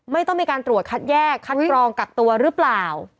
ไม่ต้องมีการตรวจคัดแยกคัดกรองกักตัวหรือเปล่า